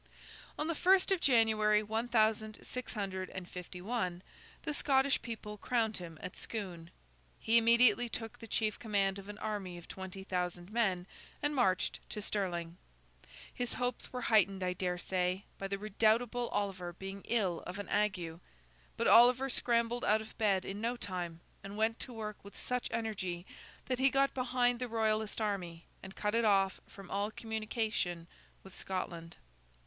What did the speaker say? On the first of January, one thousand six hundred and fifty one, the Scottish people crowned him at Scone. He immediately took the chief command of an army of twenty thousand men, and marched to Stirling. His hopes were heightened, I dare say, by the redoubtable Oliver being ill of an ague; but Oliver scrambled out of bed in no time, and went to work with such energy that he got behind the Royalist army and cut it off from all communication with Scotland.